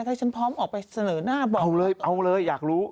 อยากได้พร้อมออกไปเสนอหน้าบอกเอาเลยอยากรู้